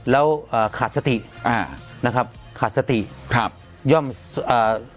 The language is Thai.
แล้วอ่าขาดสติอ่านะครับขาดสติครับย่อมอ่า